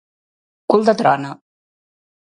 Cul de trona.